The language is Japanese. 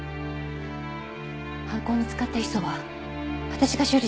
犯行に使ったヒ素は私が処理します。